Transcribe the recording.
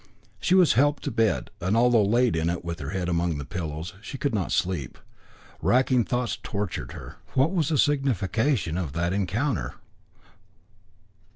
She was helped to bed, and although laid in it with her head among the pillows, she could not sleep. Racking thoughts tortured her. What was the signification of that encounter?